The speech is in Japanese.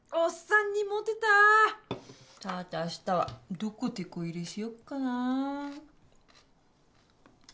さて明日はどこてこ入れしよっかな。